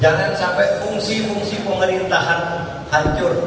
jangan sampai fungsi fungsi pemerintahan hancur